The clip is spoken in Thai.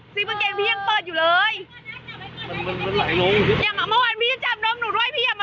ซีเฟอร์เกงพี่ยังเปิดอยู่เลยมันมันมันไหลลงอย่ามาเมื่อวานพี่จะจับน้ำหนูด้วยพี่อย่ามา